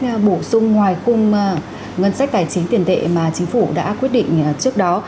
là bổ sung ngoài khung ngân sách tài chính tiền tệ mà chính phủ đã quyết định trước đó